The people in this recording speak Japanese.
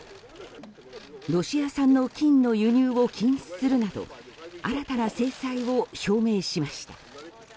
ロシア産の金の輸入を禁止するなど新たな制裁を表明しました。